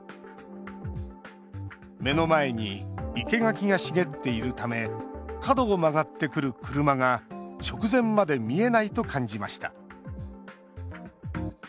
目の前に生け垣が茂っているため角を曲がってくる車が直前まで見えないと感じました。